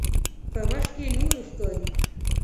په مخ کې نور ښکاري.